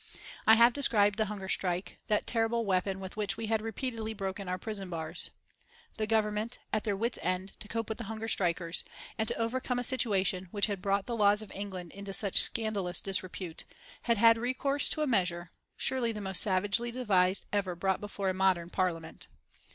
I have described the hunger strike, that terrible weapon with which we had repeatedly broken our prison bars. The Government, at their wits' end to cope with the hunger strikers, and to overcome a situation which had brought the laws of England into such scandalous disrepute, had had recourse to a measure, surely the most savagely devised ever brought before a modern Parliament.